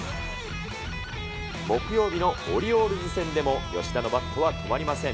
木曜日のオリオールズ戦でも、吉田のバットは止まりません。